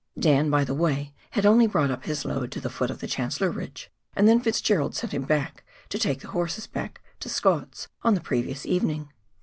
Dan, by the way, had only brought up his load to the foot of the Chancellor Ridge and then Fitzgerald sent him back to take the horses back to Scott's on the previous evening.